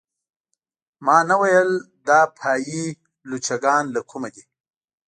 ما نه ویل دا پايي لچکان له کومه دي.